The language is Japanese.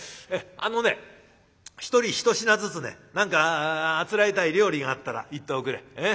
あのね一人一品ずつね何かあつらえたい料理があったら言っておくれ。